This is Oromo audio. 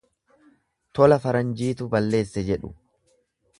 Tola faranjiitu balleesse jedhu.